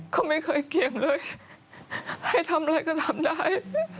เขาไม่เคยเกี่ยงเลยให้ทำอะไรก็ทำได้